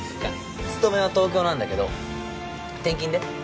勤めは東京なんだけど転勤でこっちに来た。